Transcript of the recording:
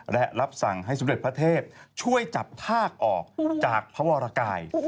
และรับสั่งให้สมเด็จพระเทพช่วยจับทากออกจากพระวรกาย